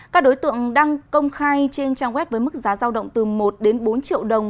các đối tượng đăng công khai trên trang web với mức giá giao động từ một đến bốn triệu đồng